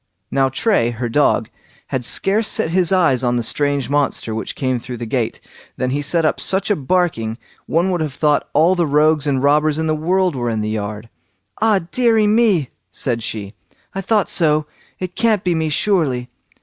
Now, Tray, her dog, had scarce set his eyes on the strange monster which came through the gate, than he set up such a barking, one would have thought all the rogues and robbers in the world were in the yard. "Ah, deary me", said she, "I thought so; it can't be me surely."